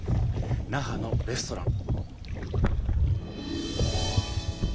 那覇のレストラン。